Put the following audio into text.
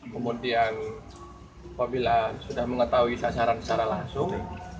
kemudian apabila sudah mengetahui sasaran secara langsung